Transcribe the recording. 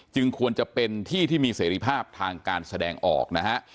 ควรจะเป็นที่ที่มีเสรีภาพทางการแสดงออกนะฮะ